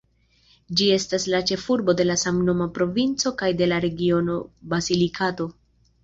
Ĝi estas la ĉefurbo de la samnoma provinco kaj de la regiono Basilikato.